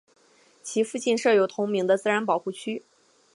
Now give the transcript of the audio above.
其附近设有同名的自然保护区。